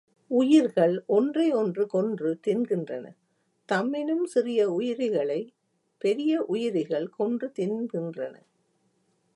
உயிர்கள் ஒன்றை ஒன்று கொன்று தின்கின்றன தம்மினும் சிறிய உயிரிகளைப் பெரிய உயிரிகள் கொன்று தின்கின்றன.